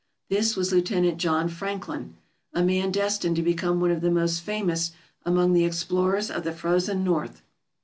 This was Lieut. John Franklin — a name destined to become one of the most famous among the explorers of the frozen North.